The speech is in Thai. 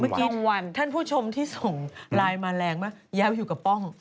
เมื่อกี้ท่านผู้ชมที่ส่งไลน์มาแรงว่าย้ายไปอยู่กับป้อง